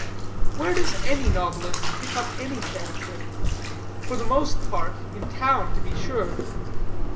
Where does any novelist pick up any character? For the most part, in town, to be sure.